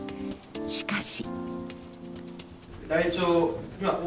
しかし。